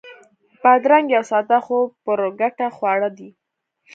بادرنګ یو ساده خو پُرګټه خواړه دي.